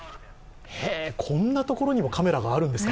へえ、こんなところにもカメラがあるんですか。